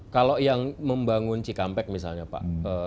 kalau yang membangun cikampek misalnya pak